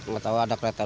tidak tahu ada kereta dua